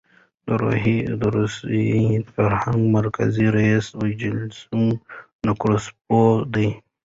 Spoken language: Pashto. د روسي فرهنګي مرکز رییس ویچسلو نکراسوف دی.